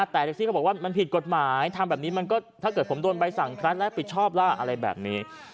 แต่แท็กซี่ก็บอกว่ามันผิดกฎหมายทำแบบนี้มันก็ถ้าเกิดผมโดนใบสั่งใครแล้วผิดชอบล่ะอะไรแบบนี้